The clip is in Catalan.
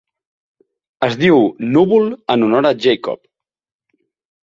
Es diu Núvol en honor a Jacob.